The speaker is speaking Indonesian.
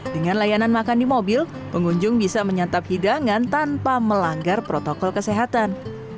dengan layanan makan di mobil pengunjung bisa menyantap hidangan tanpa melanggar protokol kesehatan